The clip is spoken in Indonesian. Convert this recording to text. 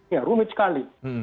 ya rumit sekali